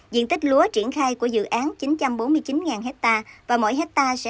diện tích lúa triển khai của dự án chín trăm bốn mươi chín hectare